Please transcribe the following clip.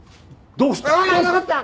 どうした！？